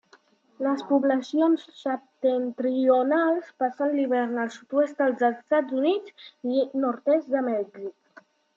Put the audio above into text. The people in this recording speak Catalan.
Les poblacions septentrionals passen l'hivern al sud-oest dels Estats Units i nord-est de Mèxic.